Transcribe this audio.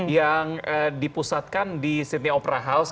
yang dipusatkan di sydney opera house